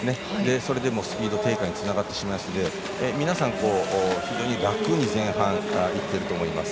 それでスピード低下につながってしまいますので皆さん非常に楽に前半いっていると思います。